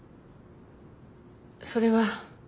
それは。